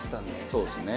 そうですね。